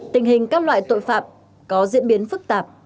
tình hình các loại tội phạm có diễn biến phức tạp